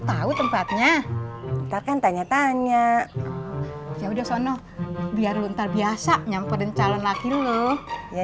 tahu tempatnya takkan tanya tanya ya udah sono biar lu ntar biasa nyamperin calon laki lu ya